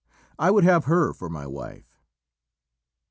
I would have her for my wife."